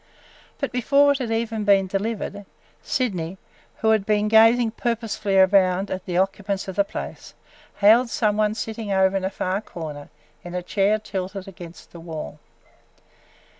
But before it had even been delivered, Sydney, who had been gazing purposefully around at the occupants of the place, hailed some one sitting over in a far corner, in a chair tilted against the wall.